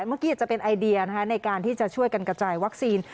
เมื่อกี้อาจจะเป็นไอเดียในการที่จะช่วยกันกระจายวัคซีน